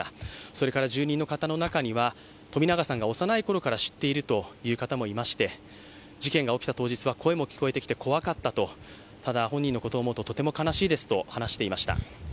それから住人の方の中には、冨永さんが幼いころから知っているという方もいまして、事件が起きた当日は声も聞こえてきて怖かったと、ただ、本人のことを思うととても悲しいですと話していました。